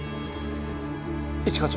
一課長。